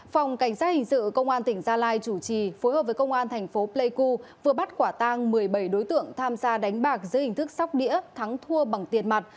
phòng cảnh sát hình sự công an tỉnh gia lai chủ trì phối hợp với công an thành phố pleiku vừa bắt quả tang một mươi bảy đối tượng tham gia đánh bạc dưới hình thức sóc đĩa thắng thua bằng tiền mặt